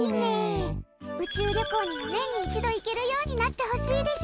宇宙旅行にも年に一度行けるようになってほしいです。